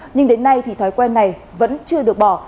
nhưng đến nay thì thói quen này vẫn chưa được bỏ